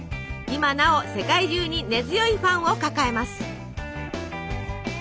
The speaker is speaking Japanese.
今なお世界中に根強いファンを抱えます。